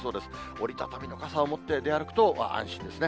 折り畳みの傘を持って出歩くと安心ですね。